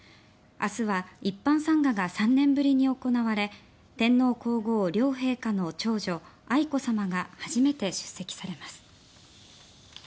明日は一般参賀が３年ぶりに行われ天皇・皇后両陛下の長女愛子さまが初めて出席されます。